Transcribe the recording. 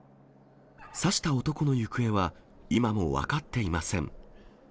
刺した男の行方は、今も分かっていません。